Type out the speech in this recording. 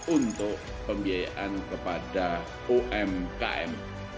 untuk pembiayaan kepada umkm